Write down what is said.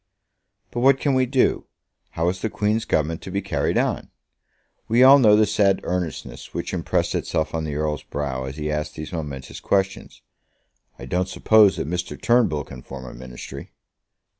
"But what can we do? How is the Queen's Government to be carried on?" We all know the sad earnestness which impressed itself on the Earl's brow as he asked these momentous questions. "I don't suppose that Mr. Turnbull can form a Ministry."